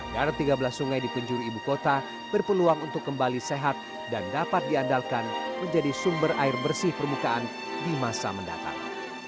darat tiga belas sungai di penjuru ibu kota berpeluang untuk kembali sehat dan dapat diandalkan menjadi sumber air bersih permukaan di masa mendatang